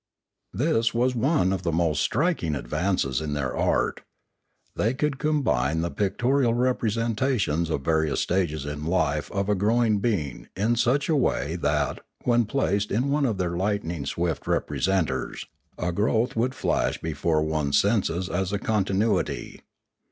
This was one of the most striking advances in their art. They could combine the pictorial representations of various stages in the life of a growing being in such a way that, when placed in one of their lightning swift representers, the growth would flash before one's senses as a continuity.